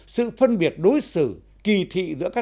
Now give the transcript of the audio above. sự phân biệt đối xử kỳ thị giữa các